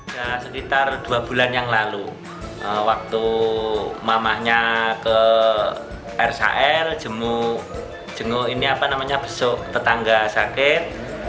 sudah sekitar dua bulan yang lalu waktu mamahnya ke rshl jengu jenguk ini apa namanya besuk tetangga sakit